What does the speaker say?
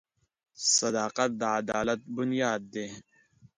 • صداقت د عدالت بنیاد دی.